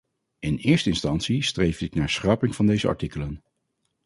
In eerste instantie streefde ik naar schrapping van deze artikelen.